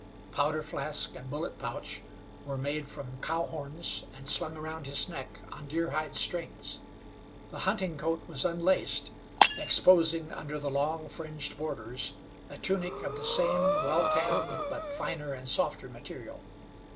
Powder flask and bullet pouch were made from cow horns and slung around his neck on deerhide strings. The hunting coat was unlaced, exposing, under the long, fringed borders, a tunic of the same well tanned, but finer and softer, material.